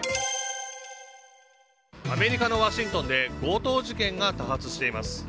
アメリカのワシントンで強盗事件が多発しています。